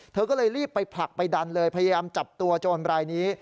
เธอก็เลยรีบไปผลักไปดันเลยพยายามจับตัวโจรรายนี้